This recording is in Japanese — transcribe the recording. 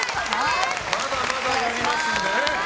まだまだやりますんでね。